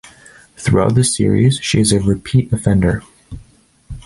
Throughout the series, she is a repeat offender.